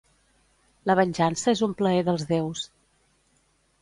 La venjança és un plaer dels déus.